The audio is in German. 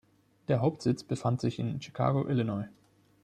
Der Hauptsitz befand sich in Chicago, Illinois.